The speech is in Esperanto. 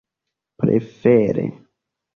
prefere